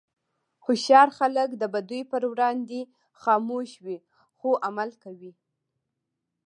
هوښیار خلک د بدیو پر وړاندې خاموش وي، خو عمل کوي.